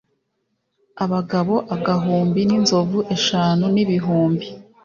abagabo agahumbi n inzovu eshanu n ibihumbi